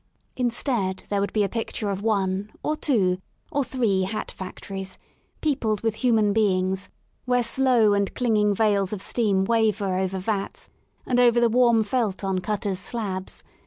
Instead there would be a picture of one, or two, or three hat factories, peopled with human beings, where slow and clinging veils of steam waver over vats and over the warm felt on cutters' slabs.